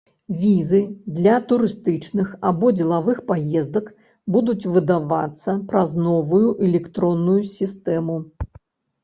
Візы для турыстычных або дзелавых паездак будуць выдавацца праз новую электронную сістэму.